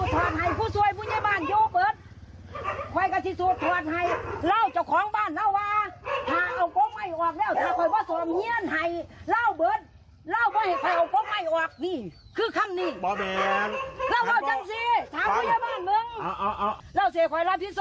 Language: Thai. เราปลูกอยู่ถ้าเราไปดูแล้วเป็นไหมเรา